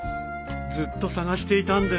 ずっと捜していたんです。